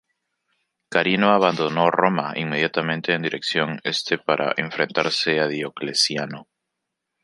Carino abandonó Roma inmediatamente en dirección este para enfrentarse a Diocleciano.